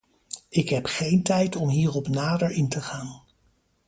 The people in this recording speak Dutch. Ik heb geen tijd om hierop nader in te gaan.